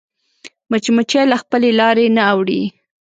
مچمچۍ له خپلې لارې نه اوړي